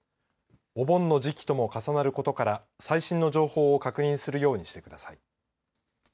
お盆の時期とも重なることから最新の情報を確認するようにしてください。